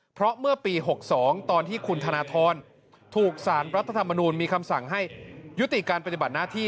เพราะเมื่อปี๖๒ตอนที่คุณธนทรถูกสารรัฐธรรมนูลมีคำสั่งให้ยุติการปฏิบัติหน้าที่